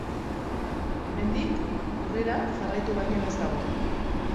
Hemendik, aurrera jarraitu baino ez dago.